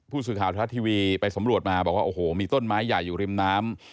ผู้สื่อข่าวทรัฐทีวีไปสำรวจมาบอกว่าโอ้โหมีต้นไม้ใหญ่อยู่ริมน้ำ